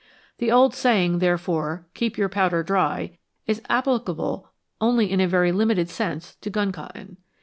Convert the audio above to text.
The old saying, there fore, "Keep your powder dry," is applicable only in a very limited sense to gun cotton.